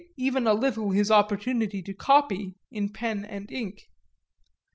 even a little his opportunity to copy in pen and ink.